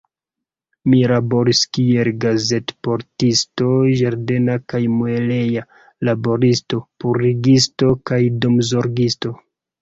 Mi laboris kiel gazetportisto, ĝardena kaj mueleja laboristo, purigisto kaj domzorgisto.